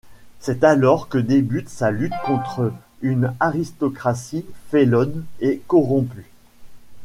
C'est alors que débute sa lutte contre une aristocratie félonne et corrompue.